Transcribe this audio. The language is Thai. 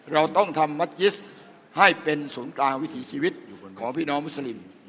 เราต้องทำมัจจิสให้เป็นศูนย์กลางวิถีชีวิตอยู่ของพี่น้องมุสลิม